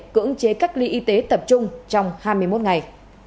cưỡng chế cách ly y tế tập trung trong hai mươi một ngày